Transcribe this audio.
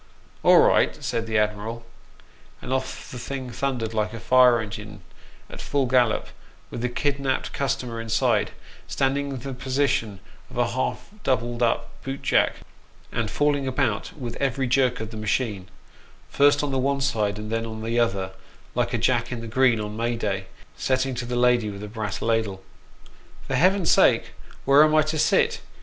" All right," said the " Admiral," and off the thing thundered, like a fire engine at full gallop, with the kidnapped customer inside, standing in the position of a half doubled up bootjack, and falling about with every jerk of the machine, first on the one side, and then on the other, like a " Jack in the green," on May Day, setting to the lady with a brass ladle. " For Heaven's sake, where am I to sit